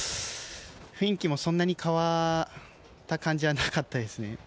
雰囲気もそんなに変わった感じはなかったですね。